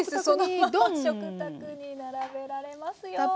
そのまま食卓に並べられますよ。